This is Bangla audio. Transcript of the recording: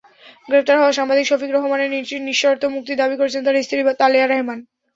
গ্রেপ্তার হওয়া সাংবাদিক শফিক রেহমানের নিঃশর্ত মুক্তি দাবি করেছেন তাঁর স্ত্রী তালেয়া রেহমান।